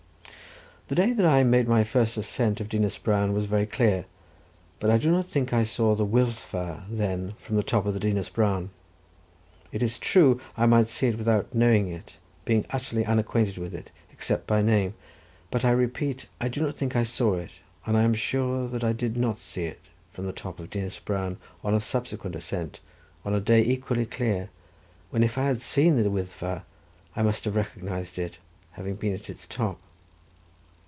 The day that I made my first ascent of Dinas Bran was very clear, but I do not think I saw the Wyddfa then from the top of Dinas Bran. It is true I might see it without knowing it, being utterly unacquainted with it, except by name; but I repeat I do not think I saw it, and I am quite sure that I did not see it from the top of Dinas Bran on a subsequent ascent, on a day equally clear, when if I had seen the Wyddfa I must have recognized it, having been at its top.